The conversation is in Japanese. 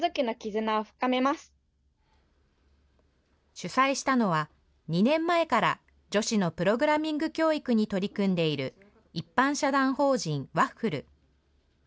主催したのは、２年前から女子のプログラミング教育に取り組んでいる一般社団法人Ｗａｆｆｌｅ。